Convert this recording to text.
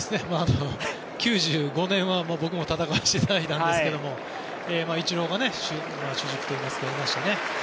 ９５年は僕も戦わせていただいたんですけどイチローが主軸といいますかいましたね。